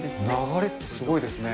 流れってすごいですね。